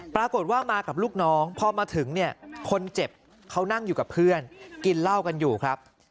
ปรากฏว่ามากับลูกน้องพอมาถึงเนี่ยคนเจ็บเขานั่งอยู่กับเพื่อนกินเหล้ากันอยู่ครับ